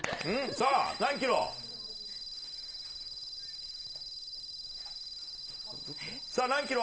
さあ、何キロ？さあ、何キロ？